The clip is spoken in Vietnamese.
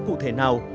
cụ thể nào